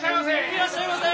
いらっしゃいませ！